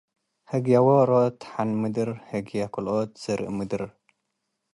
ህግየ ዎሮት ሐን ምድር፣ ህግየ ክልኦት ዘርእ ምድር።